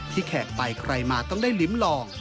แขกไปใครมาต้องได้ลิ้มลอง